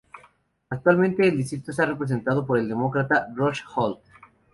Actualmente el distrito está representado por el Demócrata Rush Holt.